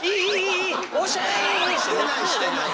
してないしてない！